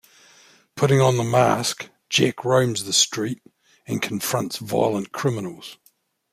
Putting on the mask, Jack roams the streets and confronts violent criminals.